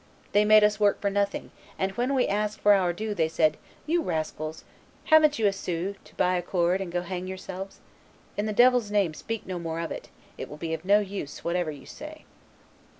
They made us work for nothing, and when we asked for our due they said, 'You rascals, haven't ye a sou to buy a cord and go hang yourselves? In the devil's name speak no more of it; it will be no use, whatever you say.